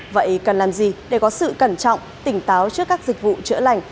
vậy cần làm gì để có sự cẩn trọng tỉnh táo trước các dịch vụ chữa lành